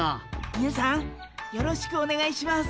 みなさんよろしくおねがいします。